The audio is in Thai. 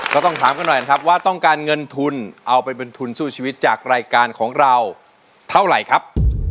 ก็ต้องถามกันหน่อยนะครับว่าต้องการเงินทุนเอาไปเป็นทุนสู้ชีวิตจากรายการของเราเท่าไหร่ครับ